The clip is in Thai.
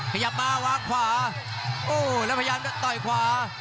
ขยับมาวางขวาโอ้แล้วพยายามจะต่อยขวา